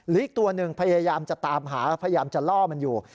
อีกตัวหนึ่งพยายามจะตามหาพยายามจะล่อมันอยู่